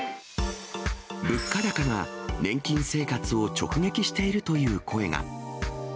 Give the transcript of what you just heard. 物価高が、年金生活を直撃しているという声が。